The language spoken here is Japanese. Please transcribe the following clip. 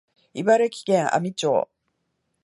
茨城県阿見町